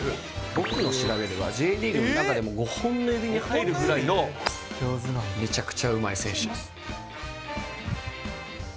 僕の調べではＪリーグの中でも５本の指に入るぐらいのめちゃくちゃうまい選手です。